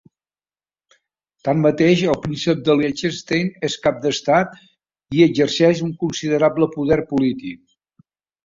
Tanmateix, el Príncep de Liechtenstein és cap d'estat i exerceix un considerable poder polític.